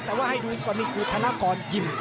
แต่ว่าให้ดูกว่ามีกูธนากรยิ่ม